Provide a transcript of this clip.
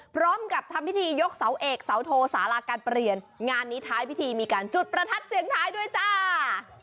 พร้อมกับทำพิธียกเสาเอกเสาโทสาราการเปลี่ยนงานนี้ท้ายพิธีมีการจุดประทัดเสียงท้ายด้วยจ้า